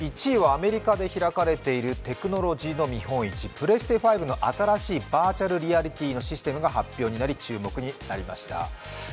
１位はアメリカで開かれているテクノロジーの見本市、プレステ５の新しいバーチャルリアリティーが発表になり、注目になりました。